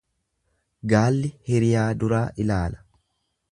Gaalli hiriyaa duraa ilaala.